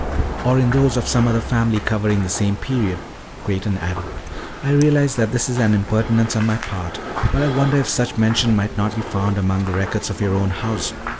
"Or in those of some other family covering the same period," Creighton added. "I realize that this is an impertinence on my part, but I wonder if such mention might not be found among the records of your own house.